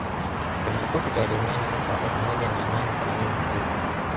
kwenye kikosi cha Wajerumani mwaka wa elfu moja mia nane themanini na tisa